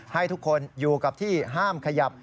ให้ทุกคนอยู่กับที่ห้ามขยับ